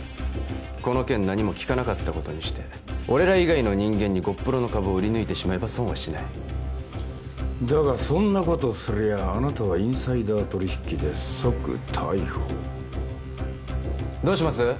この件何も聞かなかったことにして俺ら以外の人間にゴップロの株を売り抜いてしまえば損はしないだがそんなことすりゃあなたはインサイダー取引で即逮捕どうします？